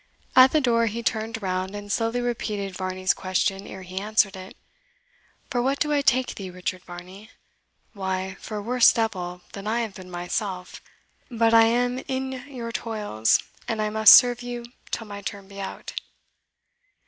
At the door he turned round, and slowly repeated Varney's question ere he answered it. "For what do I take thee, Richard Varney? Why, for a worse devil than I have been myself. But I am in your toils, and I must serve you till my term be out."